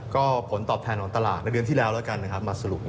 ก็ผลตอบแทนของตลาดในเดือนที่แล้วแล้วกันนะครับมาสรุป